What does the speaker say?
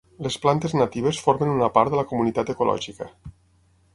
Les plantes natives formen una part de la comunitat ecològica.